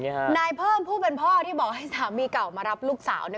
นายเพิ่มผู้เป็นพ่อที่บอกให้สามีเก่ามารับลูกสาวเนี่ย